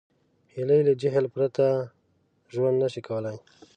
هیلۍ له جهیل پرته ژوند نشي کولی